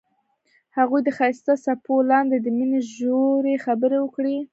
هغوی د ښایسته څپو لاندې د مینې ژورې خبرې وکړې.